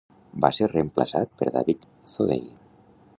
Va ser reemplaçat per David Thodey.